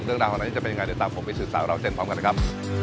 เรื่องราวนั้นจะเป็นยังไงเดี๋ยวตามผมไปสึกสร้าวเราเส้นพร้อมกันนะครับ